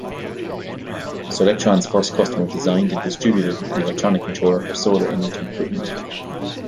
Solectron's first customer designed and distributed an electronic controller for solar energy equipment.